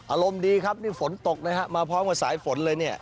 อารมณ์ดีครับนี่ฝนตกนะฮะมาพร้อมกับสายฝนเลยเนี่ย